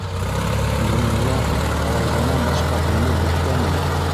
Донъяла Раузанан башҡа һимеҙ бөткәнме?